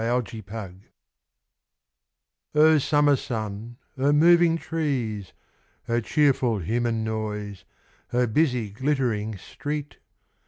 O Summer sun, O moving trees! O cheerful human noise, O busy glittering street!